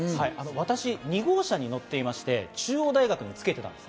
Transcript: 私、２号車に乗っていまして、中央大学につけてたんです。